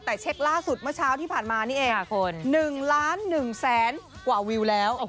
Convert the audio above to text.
แต่เช็คล่าสุดเมื่อเช้าที่ผ่านมานี่เอง๑ล้าน๑แสนกว่าวิวแล้ว